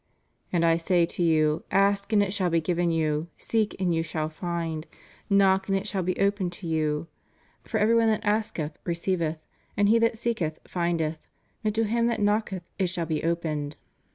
And I say to you, Ask and it shall he given you; seek and you shall find; knock and it shall be opened to you; for every one that asketh, receiveth, and he that seeketh, findeth: and to him thai knocketh it shall be opened.